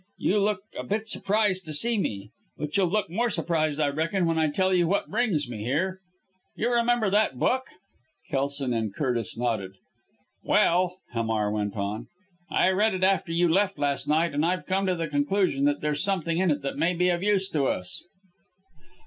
You look a bit surprised to see me, but you'll look more surprised, I reckon, when I tell you what brings me here. You remember that book?" Kelson and Curtis nodded. "Well," Hamar went on. "I read it after you left last night, and I've come to the conclusion that there's something in it that may be of use to us."